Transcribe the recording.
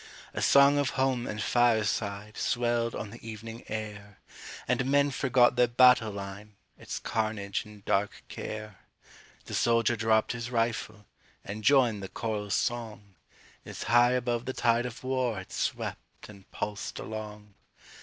A song of home and fireside Swelled on the evening air, And men forgot their battle line, Its carnage and dark care ; The soldier dropp'd his rifle And joined the choral song, As high above the tide of war It swept and pulsed along.